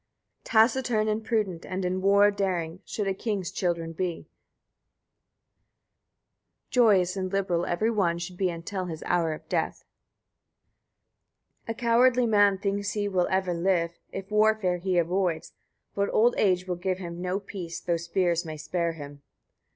Taciturn and prudent, and in war daring, should a king's children be; joyous and liberal every one should be until his hour of death. 16. A cowardly man thinks he will ever live, if warfare he avoids; but old age will give him no peace, though spears may spare him. 17.